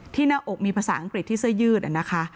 หน้าอกมีภาษาอังกฤษที่เสื้อยืดนะคะ